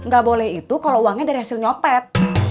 gak boleh itu kalau uangnya dari hasil nyopet